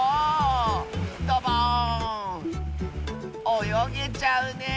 およげちゃうねえ！